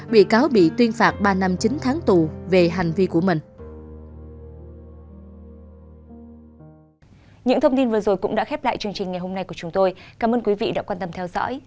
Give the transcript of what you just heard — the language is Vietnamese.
bị cáo bị tuyên phạt ba năm chín tháng tù về hành vi của mình